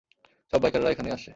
সব বাইকাররা এখানেই আসছে!